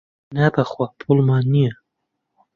نا بەخوا پووڵمان نییە.